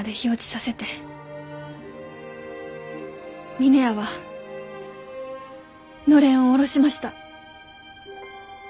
峰屋はのれんを下ろしました。